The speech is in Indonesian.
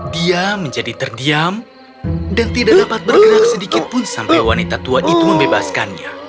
dia menjadi terdiam dan tidak dapat bergerak sedikit pun sampai wanita tua itu membebaskannya